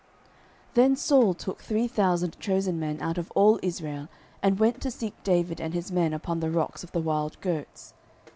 09:024:002 Then Saul took three thousand chosen men out of all Israel, and went to seek David and his men upon the rocks of the wild goats.